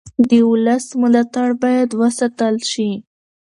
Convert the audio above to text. د ولس ملاتړ باید وساتل شي